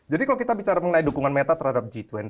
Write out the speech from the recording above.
kalau kita bicara mengenai dukungan meta terhadap g dua puluh